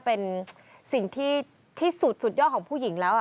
เป็นสิ่งที่ที่สุดสุดยอดของผู้หญิงแล้ว